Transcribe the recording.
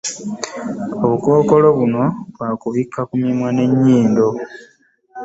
Obukookolo bunno bwa kubikka ku mimwa n'ennyindo.